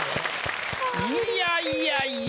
いやいやいや。